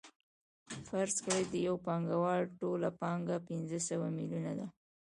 فرض کړئ د یو پانګوال ټوله پانګه پنځه سوه میلیونه ده